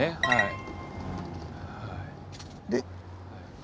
はい。